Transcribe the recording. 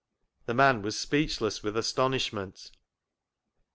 " The man was speechless with astonishment.